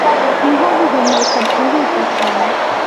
ni nko guhumeka byihuta cyane